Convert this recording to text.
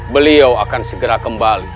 beliau akan segera kembali